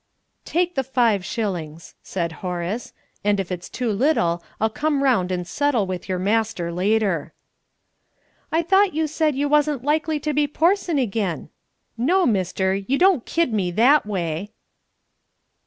"Take the five shillings," said Horace, "and if it's too little I'll come round and settle with your master later." "I thought you said you wasn't likely to be porsin' again? No, mister, you don't kid me that way!"